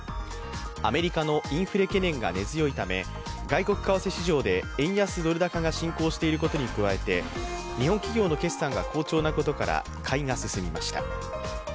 アメリカのインフレ懸念が根強いため、外国為替市場で円安・ドル高が進行していることに加えて日本企業の決算が好調なことから買いが進みました。